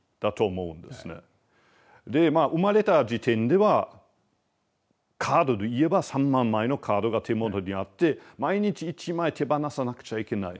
生まれた時点ではカードで言えば３万枚のカードが手元にあって毎日１枚手放さなくちゃいけない。